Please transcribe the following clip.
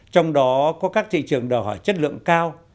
trong đó có các thị trường đòi hỏi chất lượng cao